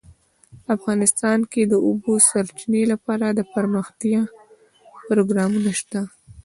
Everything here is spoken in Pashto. افغانستان کې د د اوبو سرچینې لپاره دپرمختیا پروګرامونه شته.